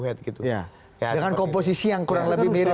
dengan komposisi yang kurang lebih mirip